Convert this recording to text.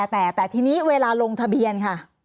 แต่ทีนี้เวลาลงทะเบียนค่ะ